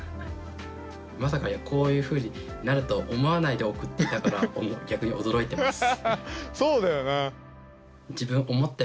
まさかこういうふうになると思わないで送っていたから逆に驚いてます。